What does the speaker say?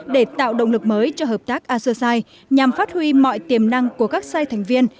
để tạo động lực mới cho hợp tác associati nhằm phát huy mọi tiềm năng của các sai thành viên